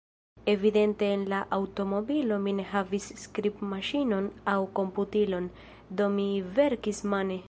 Evidente en la aŭtomobilo mi ne havis skribmaŝinon aŭ komputilon, do mi verkis mane.